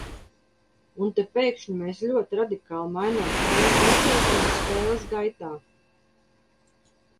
Un te pēkšņi mēs ļoti radikāli mainām spēles noteikumus spēles gaitā!